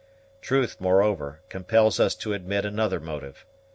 Truth, moreover, compels us to admit another motive.